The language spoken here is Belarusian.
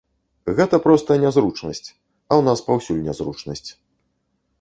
Гэта проста нязручнасць, а ў нас паўсюль нязручнасць.